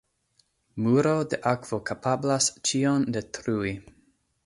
Muro de akvo kapablas ĉion detrui.